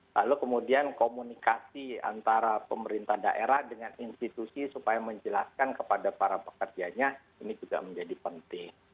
lalu kemudian komunikasi antara pemerintah daerah dengan institusi supaya menjelaskan kepada para pekerjanya ini juga menjadi penting